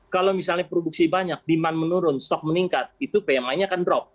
kalau misalnya produksi banyak demand menurun stok meningkat itu pmi nya akan drop